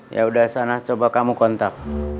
yaudah sana coba kamu kontak